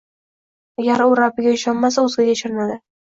Agar u Rabbiga ishonmasa, o‘zgaga ishonadi.